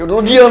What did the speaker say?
yaudah lo diam